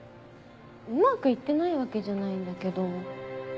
うまく行ってないわけじゃないんだけど。